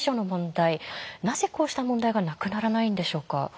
なぜこうした問題がなくならないんでしょうか？